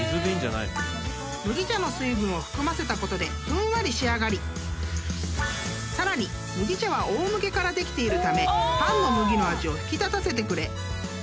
［麦茶の水分を含ませたことでふんわり仕上がりさらに麦茶は大麦からできているためパンの麦の味を引き立たせてくれ